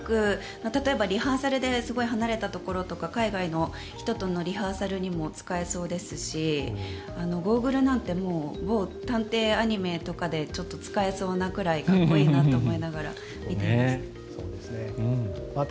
例えば、リハーサルとかで離れたところとか海外の人とのリハーサルとかにも使えそうですしゴーグルなんて某探偵アニメとかでちょっと使えそうなぐらいかっこいいなと思いながら見ていました。